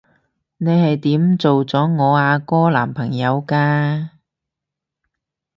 你係點做咗我阿哥男朋友㗎？